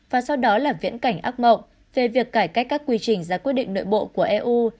và sau đó là viễn cảnh ác mộng về việc cải cách các quy trình ra quyết định nội bộ của eu